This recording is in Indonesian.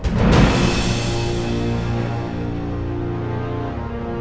peran aku pak